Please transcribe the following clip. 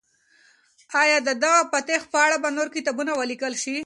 آیا د دغه فاتح په اړه به نور کتابونه ولیکل شي؟